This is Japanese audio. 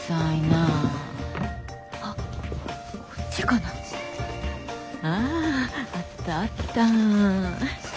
あぁあったあった。